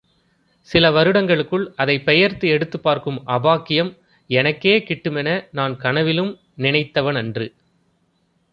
சில வருடங்களுக்குள் அதைப் பெயர்த்து எடுத்துப் பார்க்கும் அபாக்கியம், எனக்கே கிட்டுமென நான் கனவிலும் நினைத்தவனன்று!